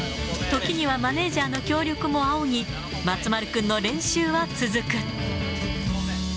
時にはマネージャーの協力も仰ぎ、松丸君の練習は続く。